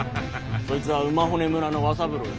そいつぁ馬骨村の和三郎です。